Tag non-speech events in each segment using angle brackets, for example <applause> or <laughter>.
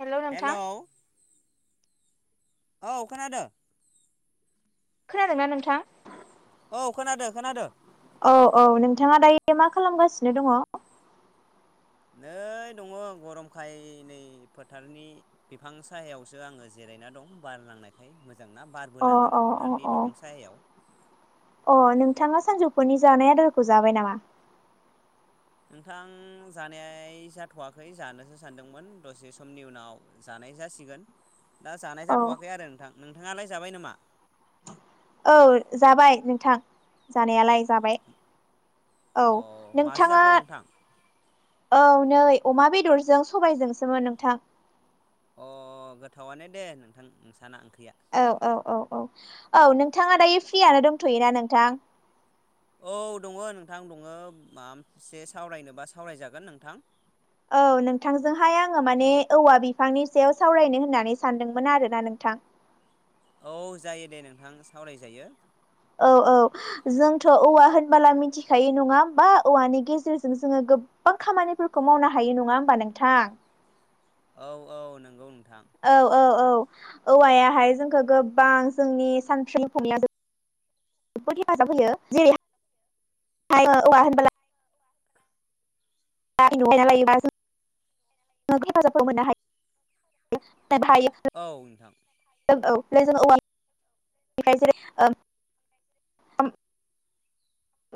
Hello नोंथां हेल' औ खोनादों। खोनादोंना नोंथां? औ खोनादों खोनादों। औ औ नोंथाङा दायो मा खालामगासिनो दङ? नै दङ गरमखाय नै फोथारनि बिफां सायावसो आङो जिराय दं बार नांनायखाय मोजां मोजां बारबो अ अ नाङोना अ फोथारनि अ दंफां सायाव। फुनि जानाय आदारखौ जाबाय नामा? नोंथां जानाया जाथ'वाखै जानोसो सानदोंमोन दसे समनि उनाव जानाय जासिगोन। सिगोन दा जानाय औ जाथ'वाखै आरो नोंथां नोंथाङालाय जाबाय नामा? औ जाबाय नोंथां जानायालाय। जाबाय औ अ मासो नोंथाङा जाखो नोंथां औ नै अमा बेदरजों सबायजोंसोमोन नोंथां। अ गोथावानो दे नोंथां नोंसाना ओं। औ औ औ औ औ नोंथाङा दायो फ्रियानो दंथ'योना नोंथां? औ दङ नोंथां दङ माबा मोनसे सावरायनोबा सावरायजागोन नोंथां। औ नोंथांजोंहाय आङो माने औवा बिफांनि सायाव सावरायनो होननानै सानदोंमोन आरोना नोंथां। थां। औ जायो दे नोंथां सावरायजायो। औ औ जोंथ' औवा होनबोला मिथिखायो नङा होमबा औवानि गेजेरजों जोङो गोब्बां खामानिफोरखौ मावनो हायो। नङा होमबा नोंथां? औ औ नंगौ ओं। औ औ औ। औवायाहाय जोंखौ गोबां जोंनि सान <unintelligible> जोबोद हेफाजाब होयो जेरै हाय औवा होनबोला <unintelligible> जों हेफाजाबफोर मोननो हायो। औ नोंथां। जों औ जों औवानिफ्राय जेरै उम उम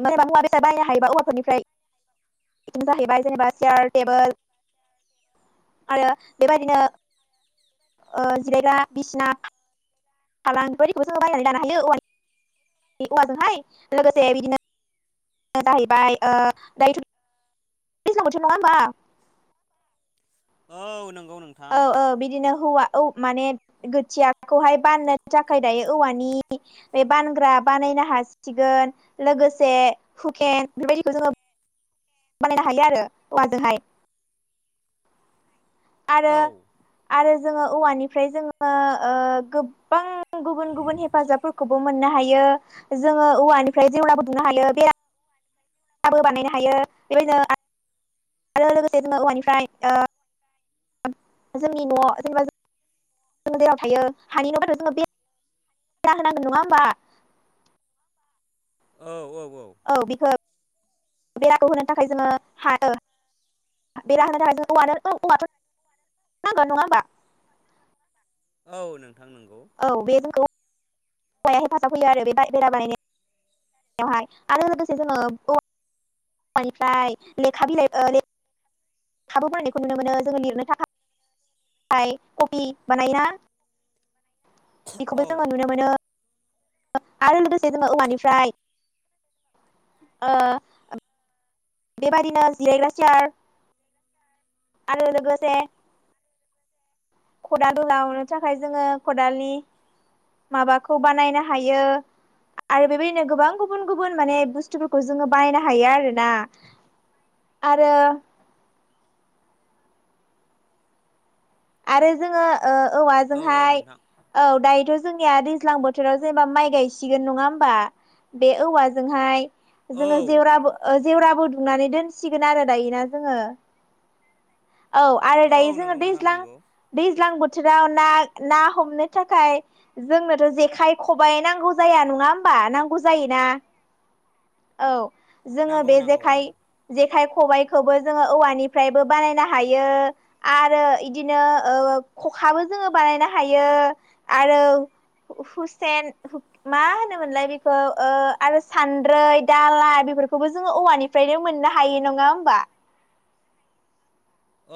<unintelligible> मुवा बेसाद बायनो हायोबा औवाफोरनिफ्राय बेदिनि जाहैबाय जेनेबा चेयार टेबोल आरो बेबायदिनो ओ जिरायग्रा बिसिना फालां बेदिखौबो जों बाहायनानै लानो हायो औवा नि औवाजोंहाय लोगोसे बिदिनो जाहैबाय ओ दायोथ' दैज्लां बोथोर नङा होमबा? औ नों औ औ बिदिनो हौवा औ माने गोथियाखौहाय बाननो थाखाय दायो औवानि बे बानग्रा बानायनो हासिगोन लोगोसे हुखेन बेफोरबादिखौ जोङो बानायनो हायो आरो औवाजोंहाय। आरो औ आरो जोङो औवानिफ्राय जोङो ओ गोब्बां गुबुन गुबुन हेफाजाबफोरखौबो मोननो हायो। ओ जोङो औवानिफ्राय जेवराबो दुमनो हायो बेरा बो बानायनो हायो बेबायदिनो आरो लोगोसे जोङो औवानिफ्राय जोंनि न'आव जेनेबा जों जों जेराव थायो हानि न'बाथ' जोङो बे रा होनांगोन नङा होमबा? औ औ। औ बेखौ बेराखौ होनो थाखाय जोङो हायो। बेरा होनो थाखाय जों औवानो औवाथ' नांगोन नङा होमबा? औ नों औ बे जोंखौ औवाया हेफाजाब होयो आरो बे बा बेरा बानायनाय आवहाय आरो लोगोसे जोङो औवा औवा निफ्राय लेखा बिलाइ ओ ले खाबो बानायनायखौ नुनो मोनो जोङो लिरनो थाखाय फ्राय कपि बानायोना बेखौबो जोङो औ नुनो मोनो ओ आरो लोगोसे जोङो औवानिफ्राय ओ बेबादिनो जिरायग्रा सियार आरो लोगोसेे खदालबो जावनो थाखाय जोङो खदालनि माबाखौ बानायनो हायो। आरो बेबायदिनो गोबां गुबुन गुबुन माने बुस्थुफोरखौ जोङो बायनो हायो आरो ना। आरो <inaudible> आरो जोङो ओ औ औवाजोंहाय नोंथां औ दायोथ' जोंनिया दैज्लां बोथोराव जेनेबा माइ गायसिगोन नङा होमबा? बे औवाजोंहाय औ जोङो जेवराबो ओ जेवराबो दुंमनानै दोनसिगोन आरो दायोना जोङो। औ आरो दायो औ नंगौ जोङो नोंथां दैज्लां नंगौ दैज्लां बोथोराव ना ना हमनो थाखाय जोंनोथ' जेखाइ खबाइ नांगौ जाया नङा होमबा नांगौ जायो ना औ। जोङो नांगौ बे नांगौ जेखाइ औ जेखाइ खबाइखौबो जोङो औवानिफ्रायबो बानायनो हायो आरो बिदिनो ओ खखाबो जोङो बानायनो हायो आरो। हु हुसेन मा होनोमोनलाय बेखौ आरो सान्द्रै दाला बेफोरखौबो जोङो औवानिफ्रायनो मोननो हायो नङा होमबा?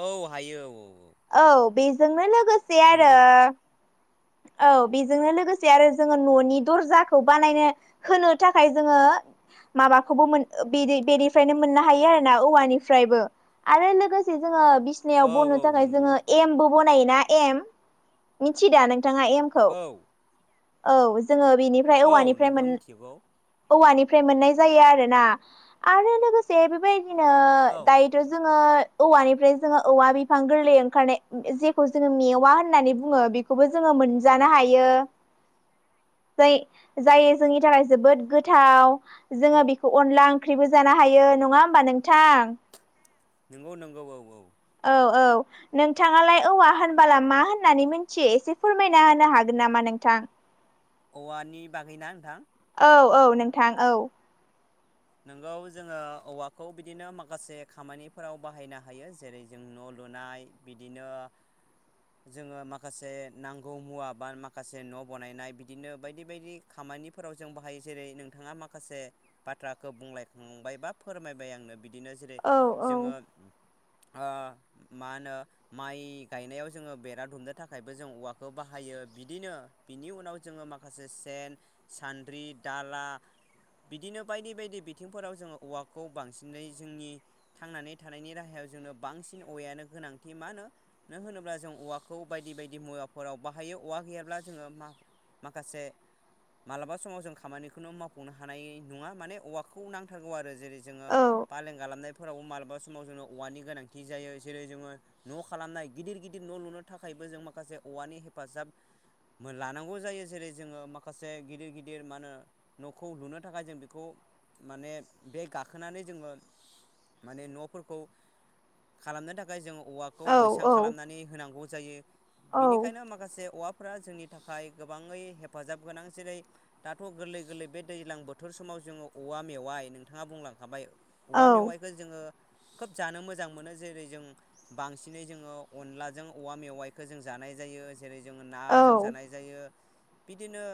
औ हायो औ। औ बेजोंनो लोगोसे आरो नंगौ औ बेजोंनो लोगोसे आरो जोङो ननि दरजिखौ बानायनो होनो थाखाय जोङो माबाखौबो मोन बेदि बेनिफ्रायनो मोननो हायो आरोना औवानिफ्रायबो। आरो लोगोसे जोङो बिसिनायाव औ बनो औ थाखाय नंगौ जोङो एमबो बनायो ना एम मिथियोदा नों? थाङा एम खौ औ औ जोङो बेनिफ्राय औ औवानिफ्राय नोंथां मोन मिथिगौ औवानि फ्राय मोननाय जायो आरोना आरो लोगोसे बेबायदिनो औ दायोथ' जोङो औवानिफ्राय जोङो औवा बिफां गोरलै ओंखारनाय जेखौ जोङो मेवा होननानै बुङो बेखौबो जोङो मोनजानो हायो। <inaudible> जाय जाय जोंनि थाखाय जोबोद गोथाव। जोङो बेखौ अनला ओंख्रिबो जानो हायो। नङा होमबा नोंथां? नोंगौ नोंगौ औ औ। औ औ नोंथाङालाय औवा होनबाला मा होननानै मोनथियो एसे फोरमायना होनो हागोन नामा नोंथां? औवानि बागैना नोंथां? औ औ नोंथां औ नोंगौ जोङो औवाखौ बिदिनो माखासे खामानिफोराव बाहायनो हायो जेरै जों न' लु लुनाय बिदिनो जोङो माखासे नांगौ मुवा बा माखासे न' बनायनाय बिदिनो बायदि बायदि खाम निफोराव जों बाहायो जेरै नोंथाङा माखासे बा थ्राखौ बुंलायखांबाय बा फोरमायबाय आंनो बिदिनो जेरै औ औ जोङो ओ मा होनो माइ गायनायाव जोङो बेरा दुमनो थाखायबो जों औवाखौ बाहा यो बिदिनो बिनि उनाव जोङो माखासे सेन, सान्द्रि, दाला बिदिनो बायदि बायदि बिथिंफोराव जोङो औवाखौ बांसिनै जोंनि थांनानै थानायनि राहायाव जोंनो बां सिन औवायानो गोनांथि मा होनो नो होनोब्ला जों औवाखौ बायदि बायदि मुवाफोराव बाहायो औवा गैया ब्ला जोङो मा-माखासे मालाबा समाव जों खामानिखौनो मावफुंनो हानाय नङा माने औवाखौ नांथारगौ आरो जेरै जोङो औ फालें खालामनाय फोरावबो मालाबा समाव जोङो औवानि गोनांथि जायो जेरै जोङो न' खालामनाय गिदिर गिदिर न' लुनो थाखाय बो जों माखासे औवानि हेफाजाब लानांगौ जायो जेरै जोङो माखासे गिदिर गिदिर मा होनो नखौ लुनो थाखाय जों बेखौ माने बे गाखोनानै जोङो माने न'फोरखौ खालामनो थाखाय जों औवाखौ औ बैसां खालामनानै होनांगौ जायो। औ बिनिखायनो माखासे औवा फोरा जोंनि थाखाय गोबाङै हेफाजाब गोनां जेरै दाथ' गोरलै गोरलै बे दैज्लां बो थोर समाव जोङो औवा मेवाइ नोंथाङा बुंलांखाबाय औवा औ मेवाइखो जोङो खोब जानो मोजां मोनो जेरै जों बांसिनै जोङो अनलाजों औवा मेवाइखो जों जा नाय जायो। जेरै जोङो औ नाजों जानाय जायो बिदिनो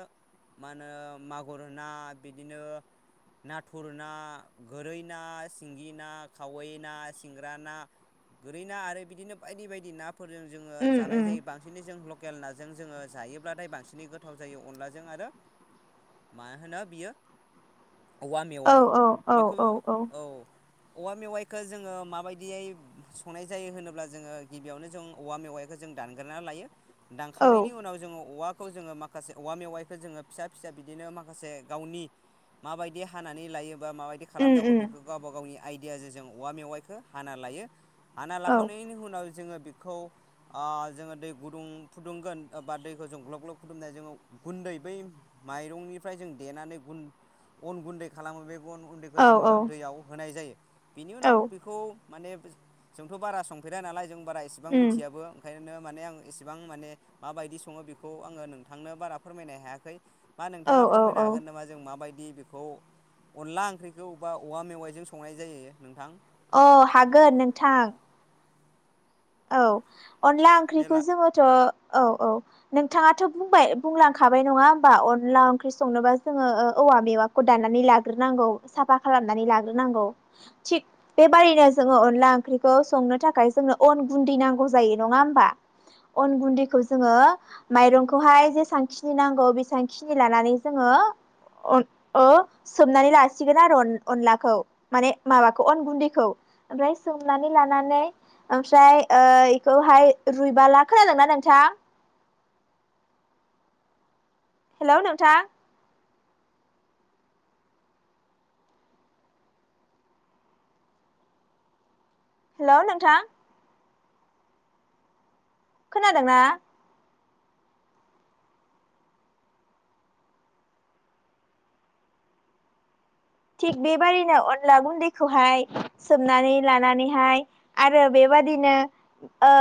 मा होनो मागुर ना बिदिनो नाथुर ना, गोरै ना, सिंगि ना, खावै ना, सिंग्रा ना गोरै ना आरो बिदिनो बायदि बायदि नाफोरजों जोङो उम जानाय उम जायो बांसिनै जों ल केल नाजों जोङो जायोब्लाथाय बांसिनै गोथाव जायो अनलाजों आरो मा होनो बियो औवा मेवाइ औ औ औ बेखौ औ औवा मेवाइखो जोङो माबायदियै संनाय जायो होनोब्ला जोङो गिबियावनो जों औवा मेवाइखो जों दानग्रोना लायो। औ दानखांनायनि उनाव जोङो औवा खौ जोङो माखासे औवा मेवाइखौ जोङो फिसा फिसा बिदिनो माखासे गावनि माबायदि हानानै लायोबा माबायदि उम खालामनांगौ उम बेखौ गावबा गावनि आइदियाजों जों औवा मेवाइखौ हाना लायो। हाना औ लाखांनायनि उनाव जोङो बिखौ ओ जोङो दै गुदुं फुदुंगोन बा दैखौ जों ग्लब ग्लब फुदुंनाय जोङो गुन्दै बै माइरंनिफ्राय जों देनानै उन अन गुन्दै खालामो बे अन गुन्दैखौ औ औ जोङो दैयाव होनाय जायो। बिनि औ उनाव बेखौ माने जोंथ' बारा संफेरा नालाय जों बारा एसेबां उम मिथियाबो ओंखायनो माने आं इसेबां माने मा बायदि सङो बेखौ आङो नोंथांनो बारा फोरमायनो हायाखै। मा औ नोंथाङा औ औ फोरमायनोहागोन नामा जों माबायदि बेखौ अनला ओंख्रिखौ बा औवा मेवाइजों संनाय जायो नोंथां। अ हागोन नोंथां औ अनला ओंख्रिखौ देलाय जोङोथ' औ औ नोंथाङाथ' बुंबाय बुंलांखाबाय नङा होमबा अनला ओंख्रि संनोबा जोङो औवा मेवाखौ दानानै लाग्रोनांगौ साफा खालामनानै लाग्रोनांगौ थिग बेबादिनो जों जोङो अनला ओंख्रिखौ संनो थाखाय जोंनो अन गुन्दै नांगौ जायो नङा होमबा अन गुन्दैखौ जोङो माइरंखौहाय जेसेबांखिनि नांगौ बेसांखिनि लानानै जोङो ओ अन ओ सोमनानै लासिगोन आरो अन अनलाखौ माने माबाखौ अन गुन्दैखौ। ओमफ्राय सोमनानै लानानै ओमफ्राय ओ इखौहाय रुइबाला खोनादोंना नोंथां हेलौ नोंथां हेलौ नोंथां खोनादोंना थिग बेबादिनो अनला गुन्दैखौहाय सोमनानै लानानैहाय आरो बे बेबादिनो ओ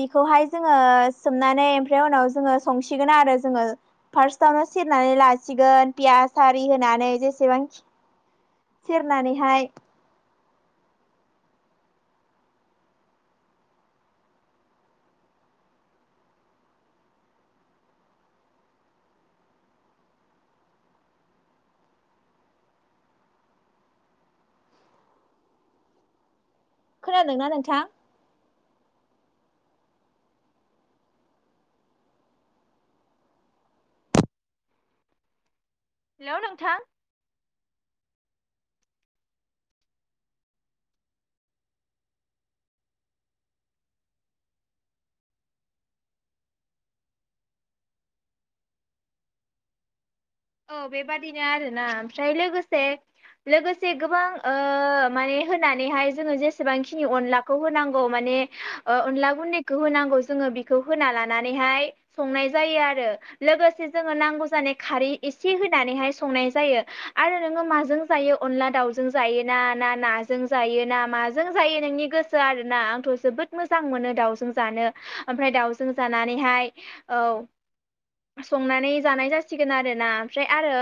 बिखौहाय जोङो सोमनानै एमफ्राय उनाव जोङो सं सिगोन आरो जोङो फार्स्टावनो सेरनानै लासिगोन पियास आरि होनानै जेसेबां खि सेरनानैहाय खोनादोंना नोंथां हेलौ नोंथां औ बेबादिनो आरोना ओमफ्राय लोगोसे लोगोसे गोबां ओ माने होनानैहाय जोङो जेसेबांखिनि अनलाखौ होनांगौ माने ए ओ अनला गुन्दैखौ होनांगौ जोङो बिखौ होना लानानैहाय संनाय जायो आरो। लोगोसे जोङो नांगौ जानाय खारै एसे होनानैहाय संनाय जायो आरो नोङो माजों जायो अनला दाउजों जाय ना ना ना जों जायो ना मा जों जायो नोंनि गोसो आरोना आंथ' जोबोद मोजां मोनो दाउजों जानो। ओमफ्राय दाउजों जानानैहाय औ संनानै जानाय जासिगोन आरो। ना ओमफ्राय आरो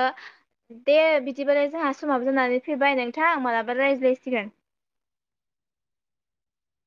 दे बिदिबालाय जोंहा समाबो जानानै फैबाय नोंथां मालाबा रायज्लायसिगोन। <inaudible>